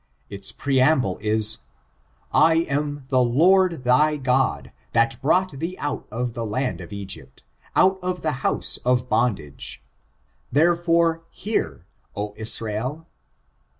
*' Its preamble is, '*! am the Lord thy God, that brought thee out of the land of Egypt— out of the house of bondage," " Therefore, hear, O Israel